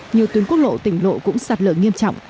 nhiều tuyến quốc lộ tỉnh lộ cũng sạt lở nghiêm trọng